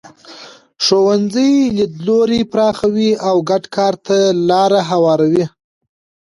ښوونځي لیدلوري پراخوي او ګډ کار ته لاره هواروي.